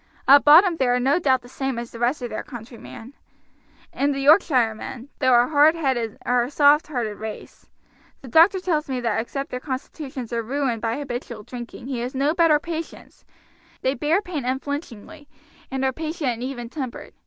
At bottom they are no doubt the same as the rest of their countrymen, and the Yorkshire men, though a hard headed, are a soft hearted race; the doctor tells me that except that their constitutions are ruined by habitual drinking he has no better patients; they bear pain unflinchingly, and are patient and even tempered.